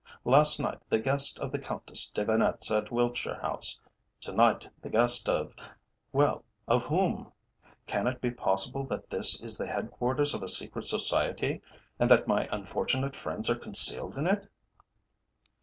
Last night the guest of the Countess de Venetza at Wiltshire House: to night the guest of well, of whom? Can it be possible that this is the head quarters of a secret society, and that my unfortunate friends are concealed in it?"